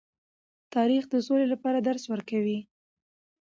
تاریخ د سولې لپاره درس ورکوي.